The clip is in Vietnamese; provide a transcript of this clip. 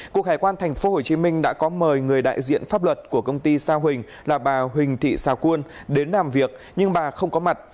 cục hải quan tp hcm đã có mời người đại diện pháp luật của công ty sao hình là bà huỳnh thị sao quân đến làm việc nhưng bà không có mặt